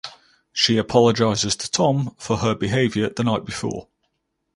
She apologizes to Tom for her behavior the night before.